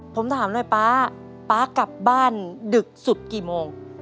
ผมถามหน่อยป๊าป๊ากลับบ้านดึกสุดกี่โมง